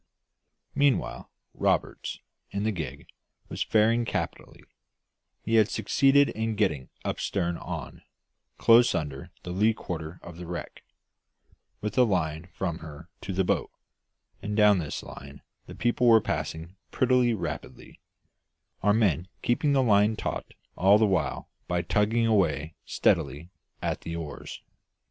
Meanwhile, Roberts, in the gig, was faring capitally; he had succeeded in getting up stern on, close under the lee quarter of the wreck, with a line from her to the boat, and down this line the people were passing pretty rapidly, our men keeping the line taut all the while by tugging away steadily at the oars.